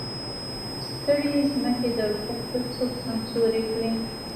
ستړې ځمکې د الفت به څوک سمسورې کړي.